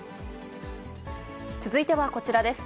続いてはこちらです。